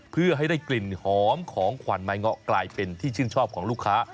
เพื่อให้ได้กลิ่นหอมของขวัญไม้เงาะกลายเป็นที่ชื่นชอบของลูกค้า